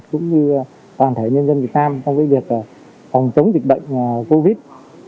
cũng như toàn thể nhân dân việt nam trong việc phòng chống dịch bệnh covid